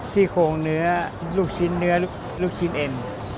ซี่โครงเนื้อลูกชิ้นเนื้อลูกชิ้นเอ็น